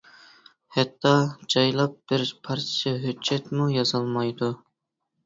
ھەتتا جايلاپ بىر پارچە ھۆججەتمۇ يازالمايدۇ.